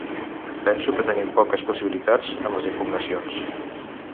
Penso que tenim poques possibilitats amb les impugnacions.